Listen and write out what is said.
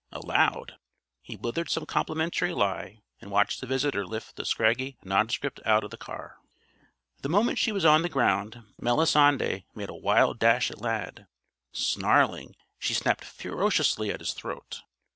Aloud, he blithered some complimentary lie and watched the visitor lift the scraggy nondescript out of the car. The moment she was on the ground, Melisande made a wild dash at Lad. Snarling, she snapped ferociously at his throat.